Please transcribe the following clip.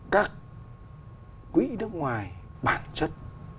các quỹ nước ngoài bản chất